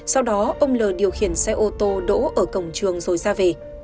sau đó ông l điều khiển xe ô tô đỗ ở cổng trường rồi ra về